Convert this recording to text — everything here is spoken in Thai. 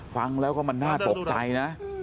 ฟังแล้วก็มันน่าตกใจนะ